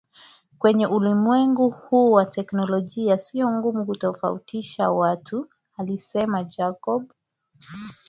Kwenye uliwengu huu wa teknolojia sio ngumu kutofautisha watu alisema Jacob